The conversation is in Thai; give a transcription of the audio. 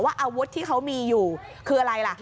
อาวุธที่เขามีอยู่คืออะไรล่ะ